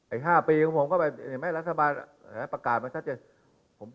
อีก๕ปีของผมก็ไปเห็นไหมรัฐบาลประกาศมาชัดเจน